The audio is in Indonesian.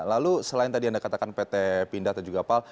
lalu selain tadi anda katakan pt pindad dan juga pal